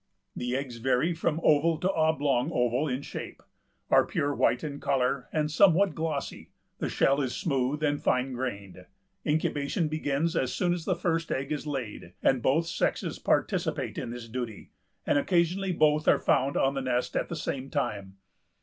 "The eggs vary from oval to oblong oval in shape, are pure white in color, and somewhat glossy, the shell is smooth and fine grained." Incubation begins as soon as the first egg is laid, and both sexes participate in this duty, and occasionally both are found on the nest at the same time.